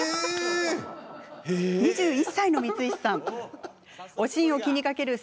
２１歳の光石さんです。